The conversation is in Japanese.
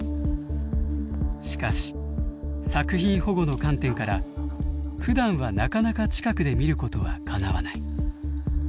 しかし作品保護の観点からふだんはなかなか近くで見ることはかなわない。